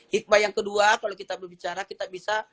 hikmah yang kedua kalau kita berbicara kita bisa